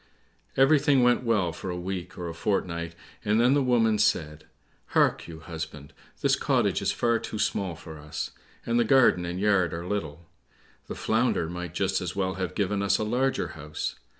Everything went well for a week or a fortnight, and then the woman said, "Hark you, husband, this cottage is far too small for us, and the garden and yard are little; the Flounder might just as well have given us a larger house.